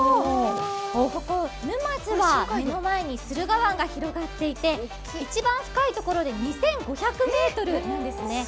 ここ沼津は目の前に駿河湾が広がっていて一番深いところで２５００ｍなんですね